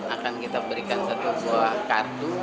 akan kita berikan satu buah kartu